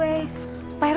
eh pak rw